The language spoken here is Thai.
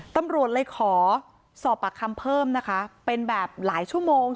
ตำรวจเลยขอสอบปากคำเพิ่มนะคะเป็นแบบหลายชั่วโมง